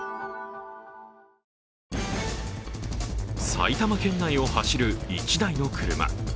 埼玉県内を走る１台の車。